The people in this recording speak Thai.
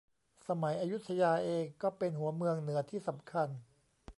สมัยอยุธยาเองก็เป็นหัวเมืองเหนือที่สำคัญ